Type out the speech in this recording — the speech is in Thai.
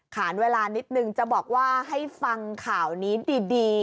ขานเวลานิดนึงจะบอกว่าให้ฟังข่าวนี้ดี